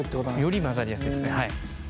より混ざりやすいですね。